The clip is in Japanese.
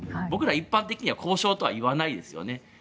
僕ら、一般的には交渉とは言わないですよね。